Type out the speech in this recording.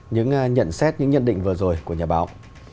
những nhận xét những nhận định vừa rồi của nhà báo